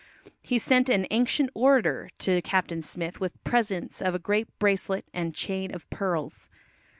He sent an "ancient orator" to Captain Smith with presents of a great bracelet and chain of pearls.